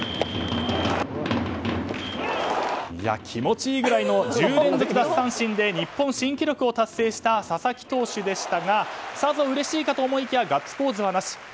気持ちいいぐらいの１０連続奪三振で日本新記録を達成した佐々木投手でしたがさぞうれしいかと思いきやガッツポーズはなし。